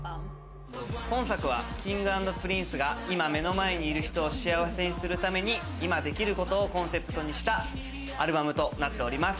今作はＫｉｎｇ＆Ｐｒｉｎｃｅが今、目の前にいる人を幸せにするために今できることをコンセプトにしたアルバムとなっております。